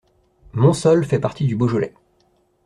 Monsols fait partie du Beaujolais.